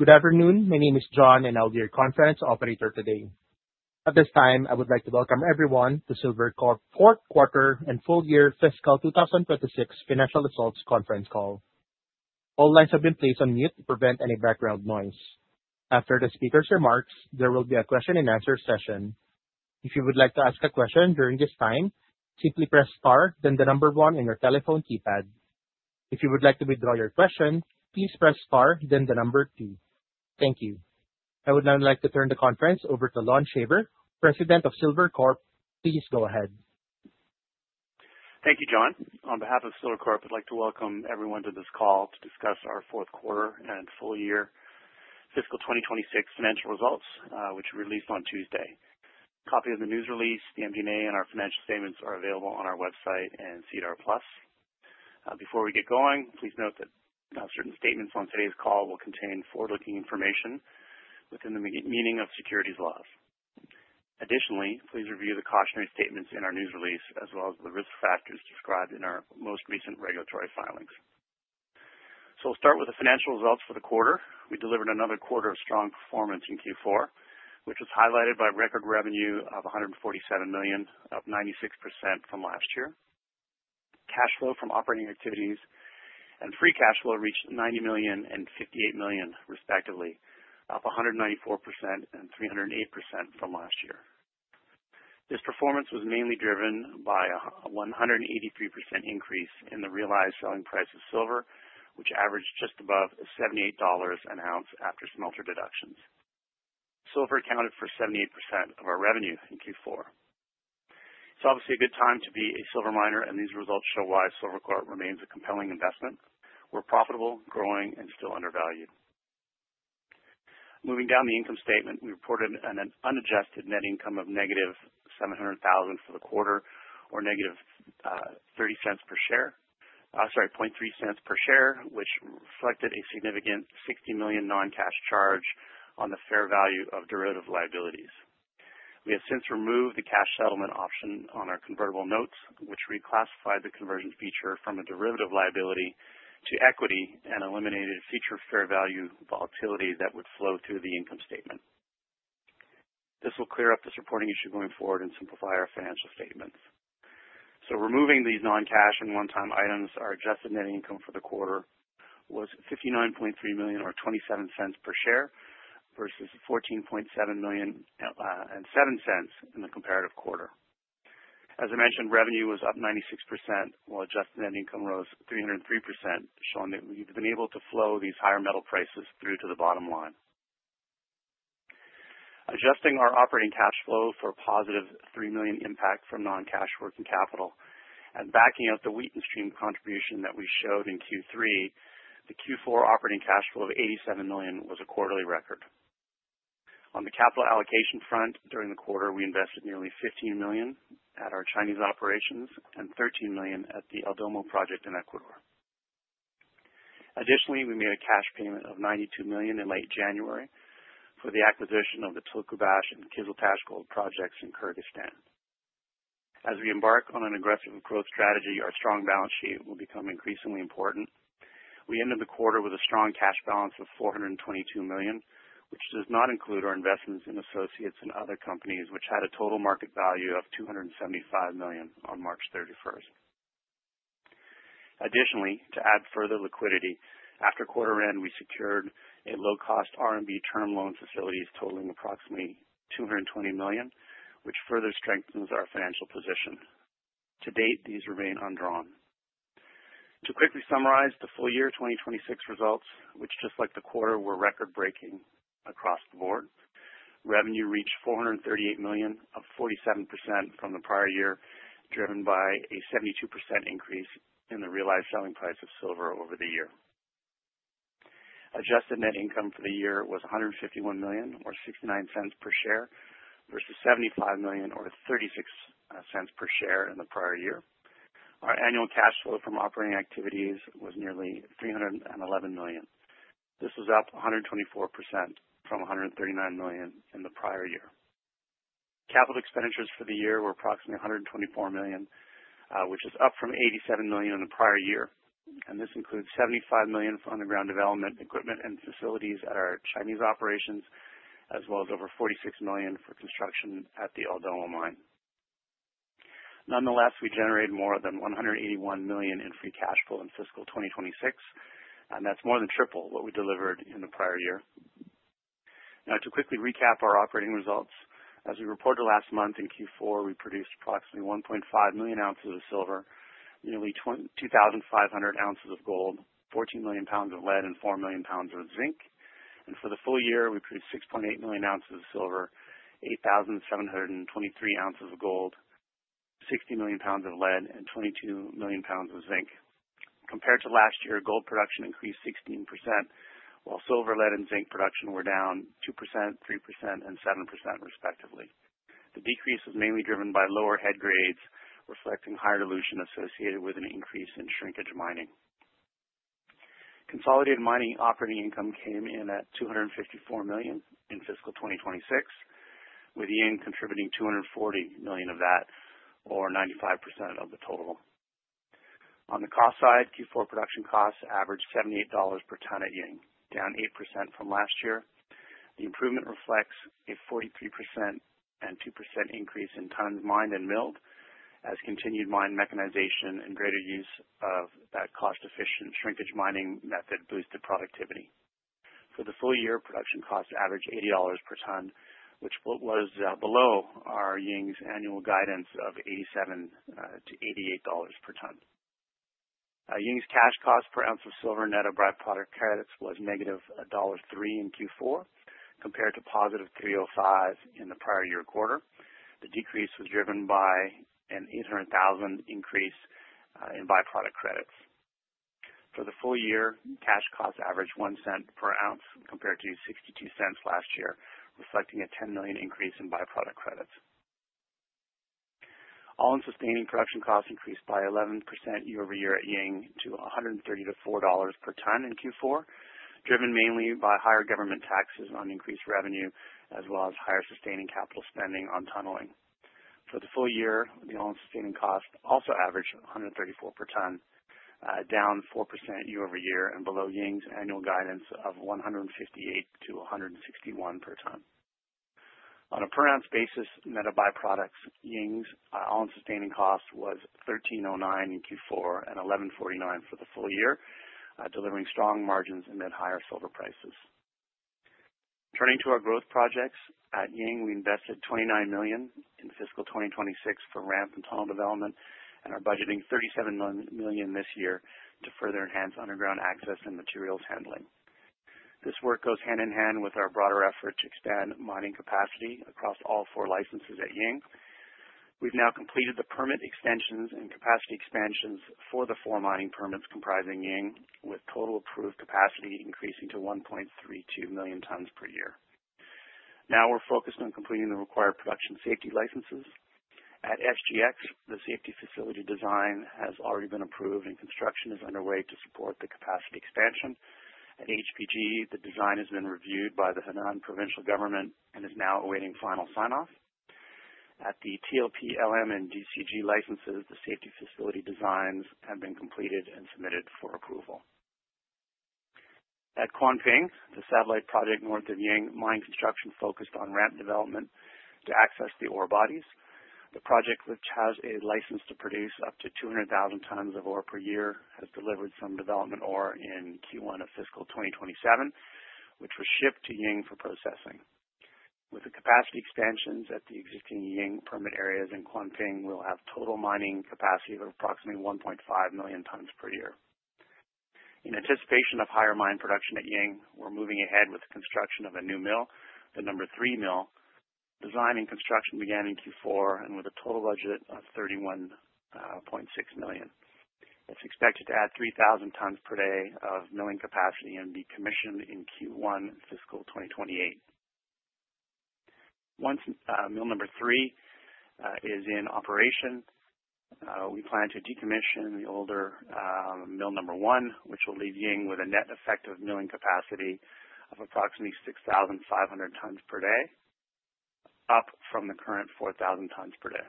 Good afternoon. My name is John, and I'll be your conference operator today. At this time, I would like to welcome everyone to Silvercorp fourth quarter and full year fiscal 2026 financial results conference call. All lines have been placed on mute to prevent any background noise. After the speaker's remarks, there will be a question and answer session. If you would like to ask a question during this time, simply press star then the number one on your telephone keypad. If you would like to withdraw your question, please press star then the number two. Thank you. I would now like to turn the conference over to Lon Shaver, President of Silvercorp. Please go ahead. Thank you, John. On behalf of Silvercorp, I'd like to welcome everyone to this call to discuss our fourth quarter and full year fiscal 2026 financial results, which we released on Tuesday. Copy of the news release, the MD&A, and our financial statements are available on our website and SEDAR+. Before we get going, please note that certain statements on today's call will contain forward-looking information within the meaning of securities laws. Additionally, please review the cautionary statements in our news release, as well as the risk factors described in our most recent regulatory filings. We'll start with the financial results for the quarter. We delivered another quarter of strong performance in Q4, which was highlighted by record revenue of $147 million, up 96% from last year. Cash flow from operating activities and free cash flow reached $90 million and $58 million, respectively, up 194% and 308% from last year. This performance was mainly driven by a 183% increase in the realized selling price of silver, which averaged just above $78 an ounce after smelter deductions. Silver accounted for 78% of our revenue in Q4. It is obviously a good time to be a silver miner, and these results show why Silvercorp remains a compelling investment. We are profitable, growing, and still undervalued. Moving down the income statement, we reported an unadjusted net income of $-700,000 for the quarter or $-0.30 per share. Sorry, $0.003 per share, which reflected a significant $60 million non-cash charge on the fair value of derivative liabilities. We have since removed the cash settlement option on our convertible notes, which reclassified the conversion feature from a derivative liability to equity and eliminated future fair value volatility that would flow through the income statement. This will clear up this reporting issue going forward and simplify our financial statements. Removing these non-cash and one-time items, our adjusted net income for the quarter was $59.3 million or $0.27 per share versus $14.7 million and $0.07 in the comparative quarter. As I mentioned, revenue was up 96%, while adjusted net income rose 303%, showing that we've been able to flow these higher metal prices through to the bottom line. Adjusting our operating cash flow for a positive $3 million impact from non-cash working capital and backing out the Wheaton stream contribution that we showed in Q3, the Q4 operating cash flow of $87 million was a quarterly record. On the capital allocation front, during the quarter, we invested nearly $15 million at our Chinese operations and $13 million at the El Domo project in Ecuador. Additionally, we made a cash payment of $92 million in late January for the acquisition of the Tulkubash and Kyzyltash gold projects in Kyrgyzstan. As we embark on an aggressive growth strategy, our strong balance sheet will become increasingly important. We ended the quarter with a strong cash balance of $422 million, which does not include our investments in associates in other companies, which had a total market value of $275 million on March 31st. Additionally, to add further liquidity, after quarter end, we secured a low-cost RMB term loan facilities totaling approximately 220 million, which further strengthens our financial position. To date, these remain undrawn. To quickly summarize the full year 2026 results, which just like the quarter, were record-breaking across the board. Revenue reached $438 million, up 47% from the prior year, driven by a 72% increase in the realized selling price of silver over the year. Adjusted net income for the year was $151 million or $0.69 per share versus $75 million or $0.36 per share in the prior year. Our annual cash flow from operating activities was nearly $311 million. This was up 124% from $139 million in the prior year. Capital expenditures for the year were approximately $124 million, which is up from $87 million in the prior year. This includes $75 million for underground development equipment and facilities at our Chinese operations, as well as over $46 million for construction at the El Domo mine. Nonetheless, we generated more than $181 million in free cash flow in fiscal 2026. That's more than triple what we delivered in the prior year. Now to quickly recap our operating results. As we reported last month, in Q4, we produced approximately 1,500,000 oz of silver, nearly 2,500 oz of gold, 14,000,000 lbs of lead, and 4,000,000 lbs of zinc. For the full year, we produced 6,800,000 oz of silver, 8,723 oz of gold, 60,000,000 lbs of lead, and 22,000,000 lbs of zinc. Compared to last year, gold production increased 16%, while silver, lead, and zinc production were down 2%, 3%, and 7% respectively. The decrease was mainly driven by lower head grades, reflecting higher dilution associated with an increase in shrinkage mining. Consolidated mining operating income came in at $254 million in fiscal 2026, with Ying contributing $240 million of that or 95% of the total. On the cost side, Q4 production costs averaged $78 per ton at Ying, down 8% from last year. The improvement reflects a 43% and 2% increase in tonnes mined and milled, as continued mine mechanization and greater use of that cost-efficient shrinkage mining method boosted productivity. For the full year, production costs averaged $80 per ton, which was below our Ying's annual guidance of $87-$88 per tonne. Ying's cash cost per ounce of silver net of byproduct credits was negative $1.03 in Q4, compared to positive $3.05 in the prior year quarter. The decrease was driven by an 800,000 increase in byproduct credits. For the full year, cash costs averaged $0.01 per ounce, compared to $0.62 last year, reflecting a 10 million increase in byproduct credits. All-in sustaining production costs increased by 11% year-over-year at Ying to $134 per ton in Q4, driven mainly by higher government taxes on increased revenue, as well as higher sustaining capital spending on tunneling. For the full year, the all-in sustaining cost also averaged $134 per ton, down 4% year-over-year and below Ying's annual guidance of $158-$161 per ton. On a per-ounce basis, net of byproducts, Ying's all-in sustaining cost was $13.09 in Q4 and $11.49 for the full year, delivering strong margins amid higher silver prices. Turning to our growth projects. At Ying, we invested $29 million in fiscal 2026 for ramp and tunnel development and are budgeting $37 million this year to further enhance underground access and materials handling. This work goes hand in hand with our broader effort to expand mining capacity across all four licenses at Ying. We've now completed the permit extensions and capacity expansions for the four mining permits comprising Ying, with total approved capacity increasing to 1,320,000 tons per year. Now we're focused on completing the required production safety licenses. At SGX, the safety facility design has already been approved and construction is underway to support the capacity expansion. At HPG, the design has been reviewed by the Henan provincial government and is now awaiting final sign-off. At the TLP, LM, and DCG licenses, the safety facility designs have been completed and submitted for approval. At Kuanping, the satellite project north of Ying Mine construction focused on ramp development to access the ore bodies. The project, which has a license to produce up to 200,000 tons of ore per year, has delivered some development ore in Q1 of fiscal 2027, which was shipped to Ying for processing. With the capacity expansions at the existing Ying permit areas in Kuanping, we'll have total mining capacity of approximately 1,500,000 tons per year. In anticipation of higher mine production at Ying, we're moving ahead with the construction of a new mill, the number three mill. Design and construction began in Q4 and with a total budget of $31.6 million. It's expected to add 3,000 tons per day of milling capacity and be commissioned in Q1 fiscal 2028. Once mill number three is in operation, we plan to decommission the older mill number one, which will leave Ying with a net effect of milling capacity of approximately 6,500 tons per day, up from the current 4,000 tons per day.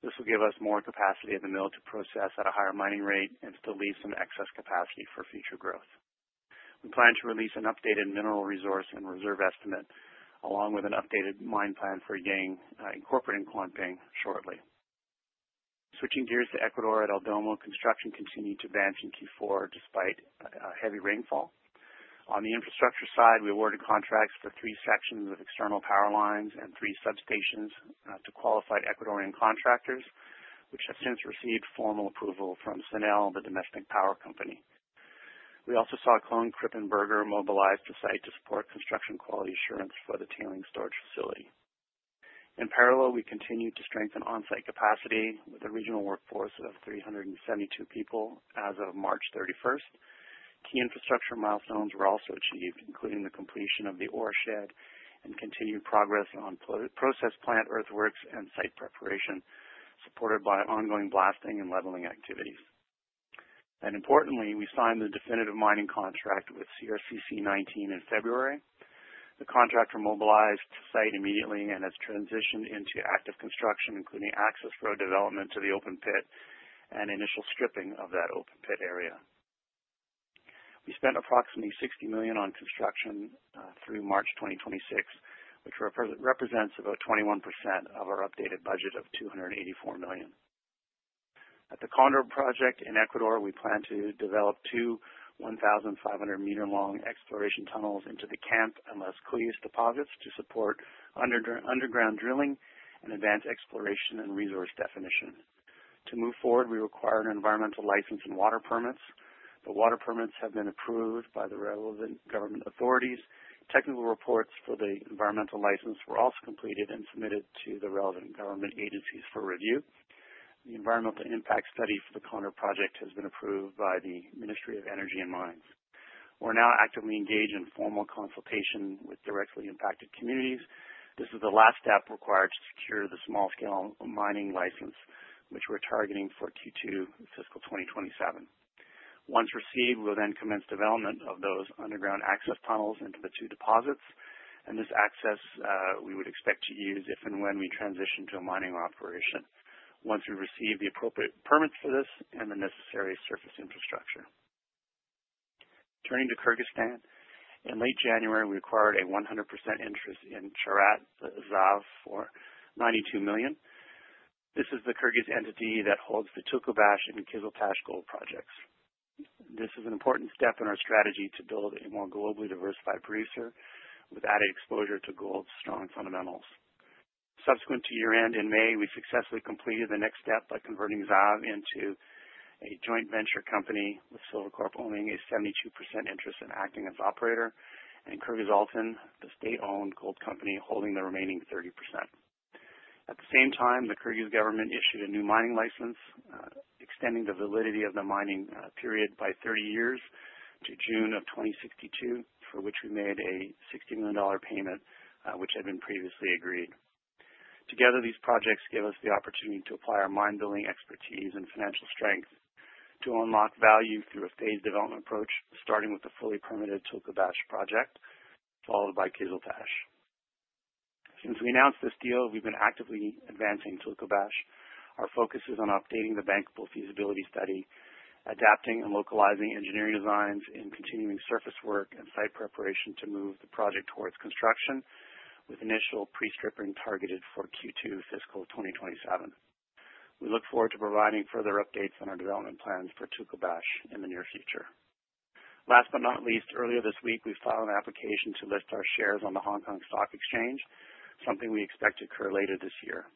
This will give us more capacity at the mill to process at a higher mining rate and to leave some excess capacity for future growth. We plan to release an updated mineral resource and reserve estimate, along with an updated mine plan for Ying, incorporating Kuanping shortly. Switching gears to Ecuador. At El Domo, construction continued to advance in Q4 despite heavy rainfall. On the infrastructure side, we awarded contracts for three sections of external power lines and three substations to qualified Ecuadorian contractors, which have since received formal approval from CNEL, the domestic power company. We also saw Klohn Crippen Berger mobilize the site to support construction quality assurance for the tailing storage facility. In parallel, we continued to strengthen on-site capacity with a regional workforce of 372 people as of March 31st. Key infrastructure milestones were also achieved, including the completion of the ore shed and continued progress on process plant earthworks and site preparation, supported by ongoing blasting and leveling activities. Importantly, we signed the definitive mining contract with CRCC 19 in February. The contractor mobilized to site immediately and has transitioned into active construction, including access road development to the open pit and initial stripping of that open pit area. We spent approximately $60 million on construction through March 2026, which represents about 21% of our updated budget of $284 million. At the Condor project in Ecuador, we plan to develop two 1,500-meter-long exploration tunnels into the Camp and Las Colinas deposits to support underground drilling and advance exploration and resource definition. To move forward, we require an environmental license and water permits. The water permits have been approved by the relevant government authorities. Technical reports for the environmental license were also completed and submitted to the relevant government agencies for review. The environmental impact study for the Condor project has been approved by the Ministry of Energy and Mines. We're now actively engaged in formal consultation with directly impacted communities. This is the last step required to secure the small-scale mining license, which we're targeting for Q2 fiscal 2027. Once received, we'll then commence development of those underground access tunnels into the two deposits. This access we would expect to use if and when we transition to a mining operation, once we receive the appropriate permits for this and the necessary surface infrastructure. Turning to Kyrgyzstan. In late January, we acquired a 100% interest in Chaarat ZAAV for $92 million. This is the Kyrgyz entity that holds the Tulkubash and Kyzyltash gold projects. This is an important step in our strategy to build a more globally diversified producer with added exposure to gold's strong fundamentals. Subsequent to year-end in May, we successfully completed the next step by converting ZAV into a joint venture company, with Silvercorp owning a 72% interest and acting as operator, and Kyrgyzaltyn, the state-owned gold company, holding the remaining 30%. At the same time, the Kyrgyz government issued a new mining license, extending the validity of the mining period by 30 years to June of 2062, for which we made a $60 million payment, which had been previously agreed. Together, these projects give us the opportunity to apply our mine building expertise and financial strength to unlock value through a phased development approach, starting with the fully permitted Tulkubash project, followed by Kyzyltash. Since we announced this deal, we've been actively advancing Tulkubash. Our focus is on updating the bankable feasibility study, adapting and localizing engineering designs, and continuing surface work and site preparation to move the project towards construction, with initial pre-stripping targeted for Q2 fiscal 2027. We look forward to providing further updates on our development plans for Tulkubash in the near future. Last but not least, earlier this week, we filed an application to list our shares on the Hong Kong Stock Exchange, something we expect to occur later this year.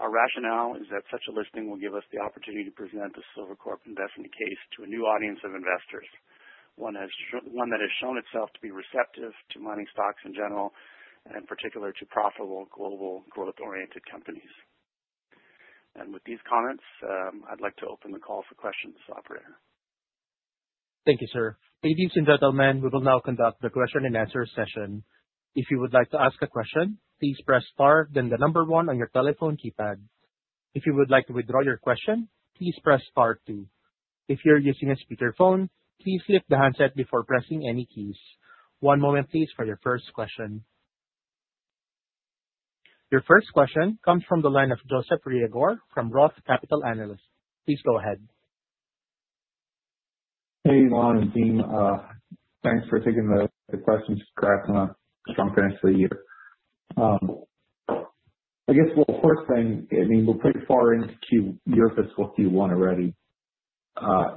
Our rationale is that such a listing will give us the opportunity to present the Silvercorp investment case to a new audience of investors, one that has shown itself to be receptive to mining stocks in general, and in particular, to profitable global growth-oriented companies. With these comments, I'd like to open the call for questions, operator. Thank you, sir. Ladies and gentlemen, we will now conduct the question and answer session. If you would like to ask a question, please press star, then the number one on your telephone keypad. If you would like to withdraw your question, please press star two. If you're using a speakerphone, please lift the handset before pressing any keys. One moment, please, for your first question. Your first question comes from the line of Joseph Reagor from ROTH Capital Analyst. Please go ahead. Hey, Lon and team. Thanks for taking the questions, congrats on a strong finish to the year. I guess, well, first thing, I mean, we're pretty far into your fiscal Q1 already.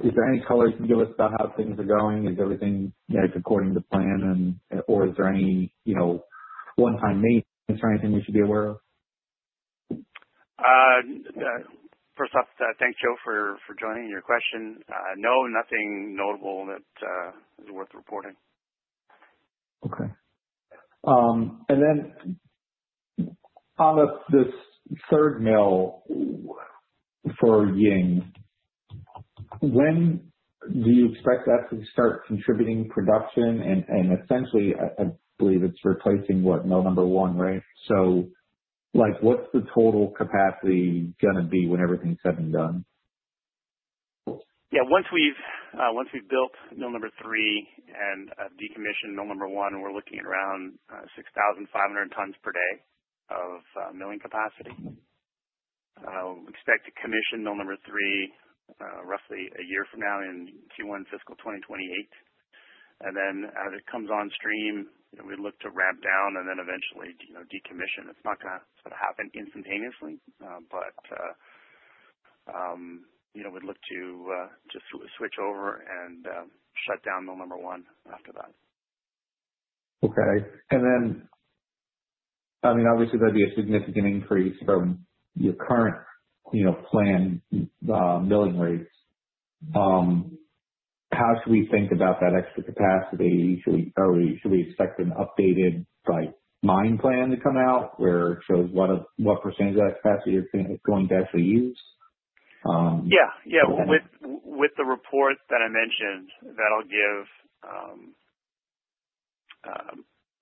Is there any color you can give us about how things are going? Is everything according to plan and, or is there any one-time maintenance or anything we should be aware of? First off, thanks, Joe, for joining and your question. No, nothing notable that is worth reporting. Okay. On this third mill for Ying, when do you expect that to start contributing production? Essentially, I believe it's replacing what, mill number one, right? What's the total capacity going to be when everything's said and done? Yeah. Once we've built mill number three and decommissioned mill number one, we're looking at around 6,500 tons per day of milling capacity. We expect to commission mill number three roughly a year from now in Q1 fiscal 2028. As it comes on stream, we look to ramp down and then eventually decommission. It's not going to sort of happen instantaneously. We'd look to switch over and shut down mill number one after that. Okay. Obviously that'd be a significant increase from your current planned milling rates. How should we think about that extra capacity? Should we expect an updated mine plan to come out where it shows what % of that capacity you're going to actually use? With the report that I mentioned, that'll give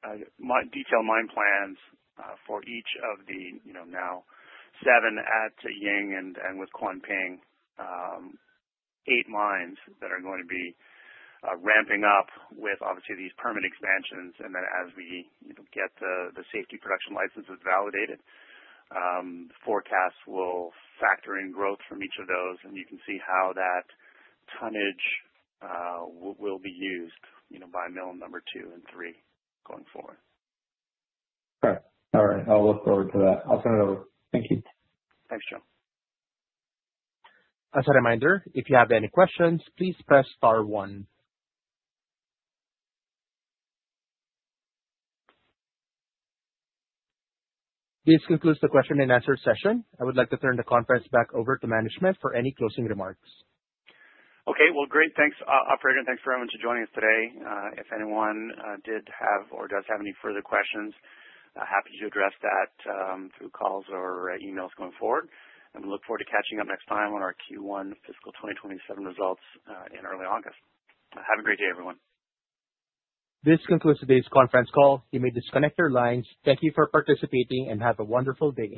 detailed mine plans for each of the now seven at Ying and, with Kuanping, eight mines that are going to be ramping up with, obviously, these permit expansions. As we get the safety production licenses validated, forecasts will factor in growth from each of those, and you can see how that tonnage will be used by mill number two and three going forward. Okay. All right. I'll look forward to that. I'll turn it over. Thank you. Thanks, Joe. As a reminder, if you have any questions, please press star one. This concludes the question and answer session. I would like to turn the conference back over to management for any closing remarks. Okay. Well, great. Thanks, operator, and thanks very much for joining us today. If anyone did have or does have any further questions, happy to address that through calls or emails going forward. We look forward to catching up next time on our Q1 fiscal 2027 results in early August. Have a great day, everyone. This concludes today's conference call. You may disconnect your lines. Thank you for participating, and have a wonderful day.